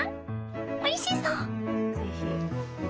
おいしそう！